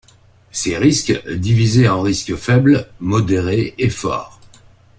Ces risques, divisés en risque faible, modéré et fort.